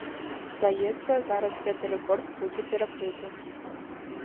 Здаецца, зараз гэты рэкорд будзе перакрыты.